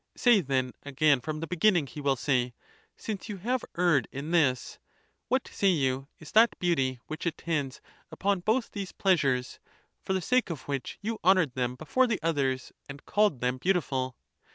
Say then again from the beginning, he will say, since you have erred in this, what, say you, is that beauty, which (attends) upon both these pleasures, for the sake of which you honoured them before the others, and called them beautiful?